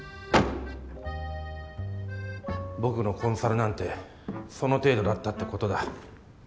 僕のコンサルなんてその程度だったってことだ。